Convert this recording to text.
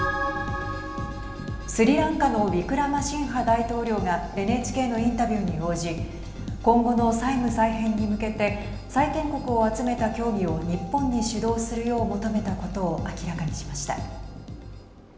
スリランカのウィクラマシンハ大統領がＮＨＫのインタビューに応じ今後の債務再編に向けて債権国を集めた協議を日本に主導するよう求めたことを明らかにしました。